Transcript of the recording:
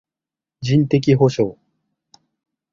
人的補償